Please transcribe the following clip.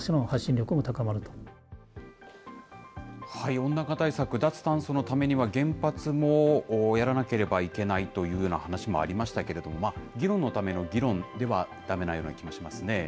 温暖化対策、脱炭素のためには原発もやらなければいけないというような話もありましたけれども、議論のための議論ではだめなような気もしますね。